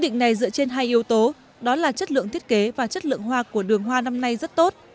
quy định này dựa trên hai yếu tố đó là chất lượng thiết kế và chất lượng hoa của đường hoa năm nay rất tốt